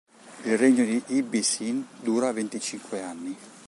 Il regno di Ibbi-Sin dura venticinque anni.